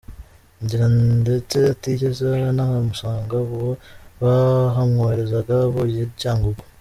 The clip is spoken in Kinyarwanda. Ngira ndetse atigeze anahamusanga ubwo bahamwoherezaga avuye i Cyangugu.